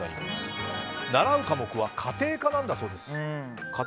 習う科目は家庭科なんだそうです。